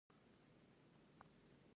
ګربز ولسوالۍ پولې ته نږدې ده؟